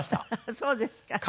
そうですか。